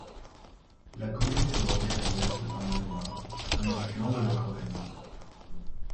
La commune est bordée à l'ouest par la Loyre, un affluent de la Corrèze.